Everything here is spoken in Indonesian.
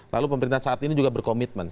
lalu pemerintah saat ini juga berkomitmen